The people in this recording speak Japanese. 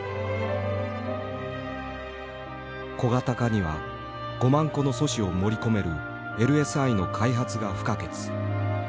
小型化には５万個の素子を盛り込めるＬＳＩの開発が不可欠。